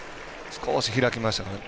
少し開きましたから。